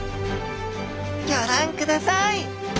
ギョ覧ください。